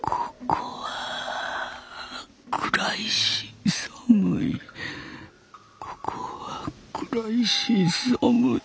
ここは暗いし寒い。